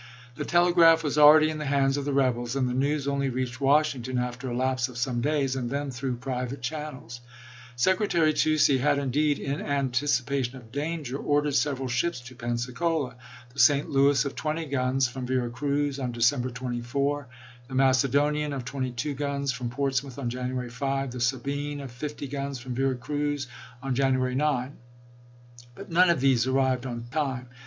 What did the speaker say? The telegraph was already in the hands of the rebels, and the news only reached Washing ton after a lapse of some days, and then through private channels. Secretary Toucey had indeed, tary16" in anticipation of danger, ordered several ships to Testimony Pensacola — the St. Louis, of twenty guns, from iiililfconf Vera Cruz, on December 24; the Macedonian, of Nov!i8jH6i. twenty two guns, from Portsmouth, on January 5 ; •ir'se^ion' *ne Sabine, of fifty guns, from Vera Cruz, on Janu •ress p°234. ary 9 But none of these arrived in time.